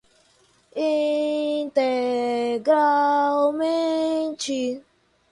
integralmente